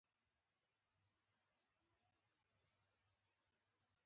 اوږد مهاله موخې د ټولو چارو عمده هدف نه هېروي.